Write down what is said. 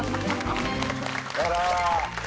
あら。